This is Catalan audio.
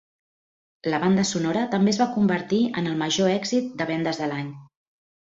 La banda sonora també es va convertir en el major èxit de vendes de l'any.